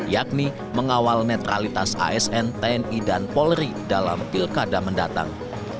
yakni mengawal netralitas asn tni dan polri dalam pilkada mendatang